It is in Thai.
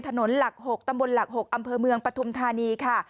ถนนหลักหกตำบนหลักหกอำเพอร์เมืองปทุมธานีค่ะ